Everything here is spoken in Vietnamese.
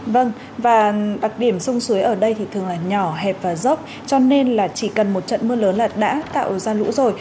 vâng và đặc điểm sông suối ở đây thì thường là nhỏ hẹp và dốc cho nên là chỉ cần một trận mưa lớn là đã tạo ra lũ rồi